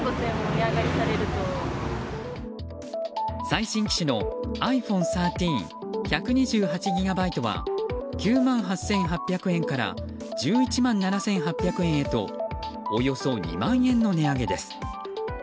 最新機種のｉＰｈｏｎｅ１３１２８ギガバイトは９万８８００円から１１万７８００円へとおよそ２万円の値上げです。